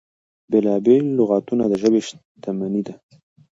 بېلا بېل لغتونه د ژبې شتمني ده.